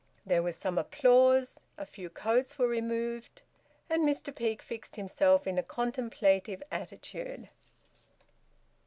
There was some applause, a few coats were removed, and Mr Peake fixed himself in a contemplative attitude.